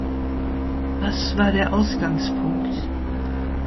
Was war der Ausgangspunkt?